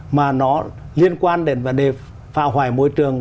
mà nó liên quan đến vấn đề phá hoại môi trường